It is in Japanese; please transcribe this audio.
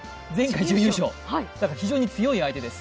だから非常に強い相手です。